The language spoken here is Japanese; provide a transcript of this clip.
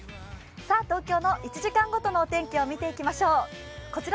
東京の１時間ごとの天気を見ていきましょう。